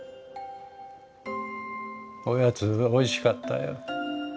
おやつおいしかったよ。